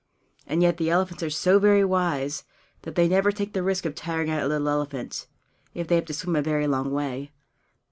And yet the elephants are so very wise that they never take the risk of tiring out a little elephant, if they have to swim a very long way.